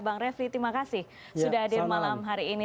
bang refli terima kasih sudah hadir malam hari ini